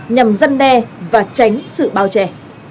nhằm dân đe và tránh sự bao trẻ